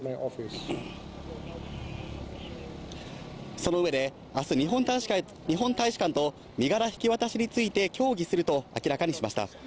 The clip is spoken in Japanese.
その上で、あす日本大使館と身柄引き渡しについて、協議すると明らかにしました。